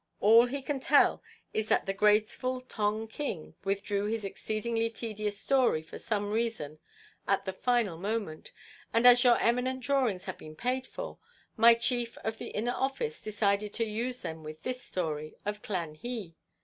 All he can tell is that the graceful Tong king withdrew his exceedingly tedious story for some reason at the final moment, and as your eminent drawings had been paid for, my chief of the inner office decided to use them with this story of Klan hi.